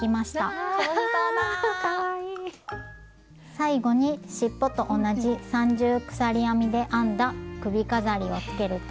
最後にしっぽと同じ三重鎖編みで編んだ首飾りをつけると。